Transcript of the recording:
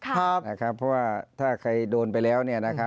เพราะว่าถ้าใครโดนไปแล้ว